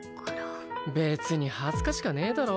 別に恥ずかしかねえだろ。